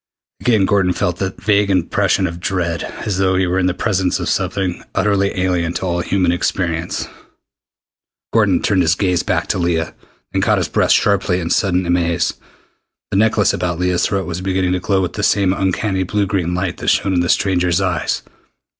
Again Gordon felt that vague impression of dread, as though he were in the presence of something utterly alien to all human experience. Gordon turned his gaze back to Leah, then caught his breath sharply in sudden amaze. The necklace about Leah's throat was beginning to glow with the same uncanny blue green light that shone in the stranger's eyes!